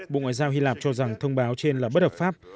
bộ ngoại giao hy lạp cho rằng thông báo trên là bất hợp pháp